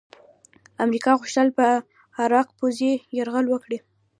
امریکا غوښتل په عراق پوځي یرغل وکړي.